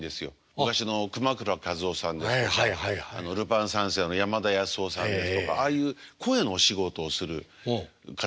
昔の熊倉一雄さんですとか「ルパン三世」の山田康雄さんですとかああいう声のお仕事をする方が。